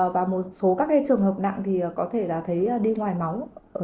và một số các trường hợp nặng có thể là đi ngoài máu